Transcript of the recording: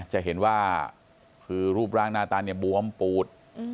จะเห็นว่าคือรูปร่างหน้าตาเนี่ยบวมปูด